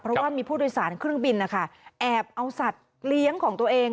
เพราะว่ามีผู้โดยสารเครื่องบินนะคะแอบเอาสัตว์เลี้ยงของตัวเอง